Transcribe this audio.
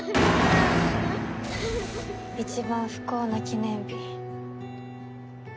一番不幸な記念日。